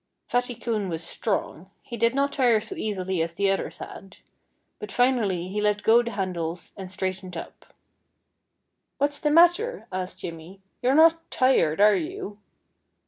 Fatty Coon was strong. He did not tire so easily as the others had. But finally he let go the handles and straightened up. "What's the matter?" asked Jimmy. "You're not tired, are you?"